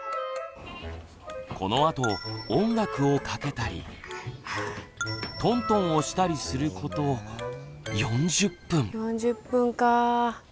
このあと音楽をかけたりトントンをしたりすること４０分か。